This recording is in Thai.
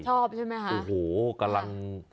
ชอบใช่ไหมคะโอ้โหกำลัง